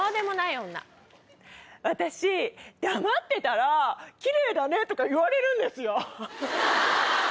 私黙ってたらキレイだね！とか言われるんですよ。